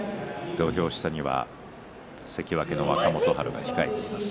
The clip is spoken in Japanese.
土俵下には関脇の若元春が控えています。